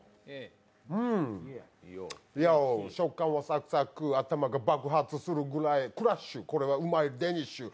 ＹＯ食感はサクサク頭が爆発するくらいクラッシュ、これはうまいデニッシュ。